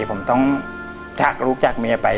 ผมต้องจากลูกจากเมียไป